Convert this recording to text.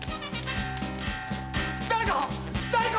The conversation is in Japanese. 誰か！